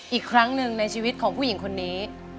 อีกครั้งหนึ่งในชีวิตของผู้หญิงคนนี้